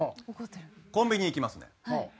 コンビニ行きますね。